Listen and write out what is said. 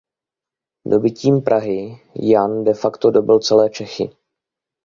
Dobytím Prahy Jan de facto dobyl celé Čechy.